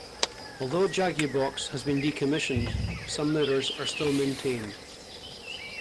Although Jagubox has been decommissioned, some mirrors are still maintained.